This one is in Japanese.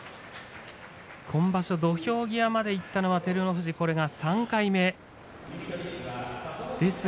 今場所、土俵際まで行ったのはこれが３回目。